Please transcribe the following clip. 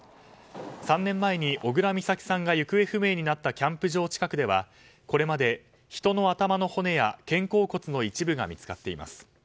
３年前に小倉美咲さんが行方不明になったキャンプ場近くではこれまで人の頭の骨や肩甲骨の一部が見つかっています。